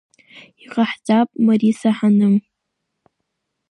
Иҟаҳҵап Мариса Ҳаным!